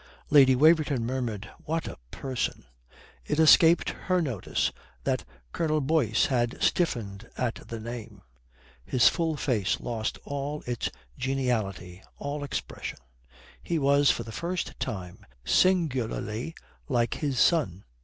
Lady Waverton murmured, "What a person!" It escaped their notice that Colonel Boyce had stiffened at the name. His full face lost all its geniality, all expression. He was for the first time singularly like his son. Mrs.